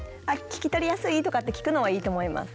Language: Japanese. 聞き取りやすい？とかって聞くのはいいと思います。